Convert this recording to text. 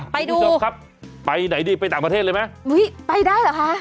ไปดูนะครับไปไหนดิไปต่างประเทศเลยไหมอุ๊ยไปได้หรือคะ